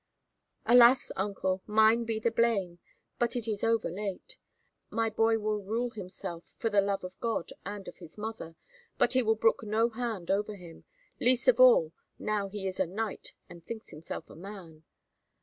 "Alas, uncle! mine be the blame, but it is over late. My boy will rule himself for the love of God and of his mother, but he will brook no hand over him—least of all now he is a knight and thinks himself a man.